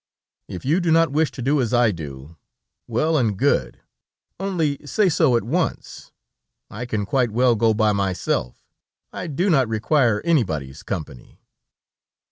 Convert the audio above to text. If you do not wish to do as I do, well and good; only say so at once. I can quite well go by myself; I do not require anybody's company."